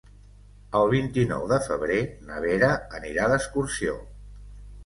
El vint-i-nou de febrer na Vera anirà d'excursió.